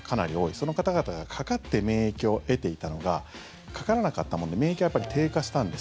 その方々がかかって免疫を得ていたのがかからなかったもので免疫が低下したんです。